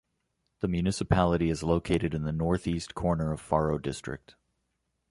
The municipality is located in the northeast corner of Faro District.